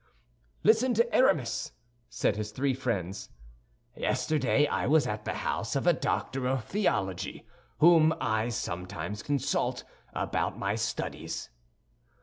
"Listen to Aramis," said his three friends. "Yesterday I was at the house of a doctor of theology, whom I sometimes consult about my studies."